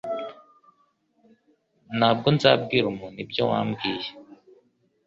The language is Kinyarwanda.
Ntabwo nzabwira umuntu ibyo wambwiye.